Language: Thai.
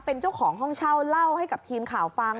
เป็นเจ้าของห้องเช่าเล่าให้กับทีมข่าวฟัง